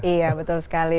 iya betul sekali